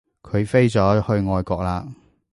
佢飛咗去外國喇